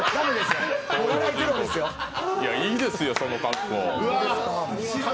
いいですよ、その格好。